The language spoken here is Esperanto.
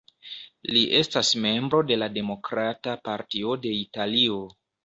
Li estas membro de la Demokrata Partio de Italio.